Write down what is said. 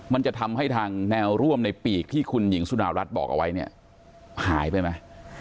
มันจะทำให้ทางแนวร่วมในปีกที่คุณหญิงสุดารัฐบอกเอาไว้เนี่ยหายไปไหม